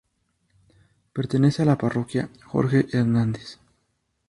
Pertenece a la parroquia Jorge Hernández.